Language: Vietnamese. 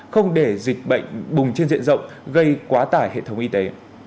không để dịch bệnh bùng trên diện rộng gây quá tải hệ thống y tế